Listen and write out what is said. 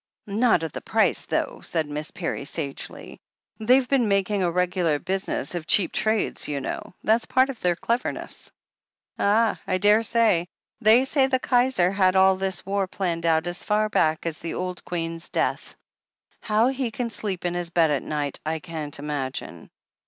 "Not at the price though," said Miss Parry sagely. "They've been making a regular business of cheap trades, you know. That's part of their cleverness." "Ah, I daresay. They say the Kaiser had all this war planned out as far back as the old Queen's death. How he can sleep in his bed at night, I can't imagine!"